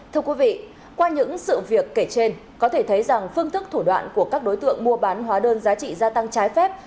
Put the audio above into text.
thưa quý vị qua những sự việc kể trên có thể thấy rằng phương thức thủ đoạn của các đối tượng mua bán hóa đơn giá trị gia tăng trái phép